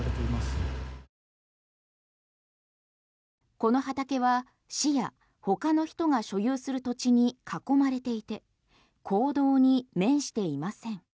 この畑は市や他の人が所有する土地に囲まれていて公道に面していません。